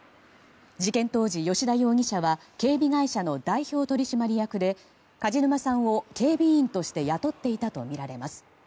事件当時、良田容疑者は警備会社の代表取締役で梶沼さんを警備員として雇っていたとみられます。